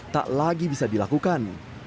tak lagi bisa dilakukan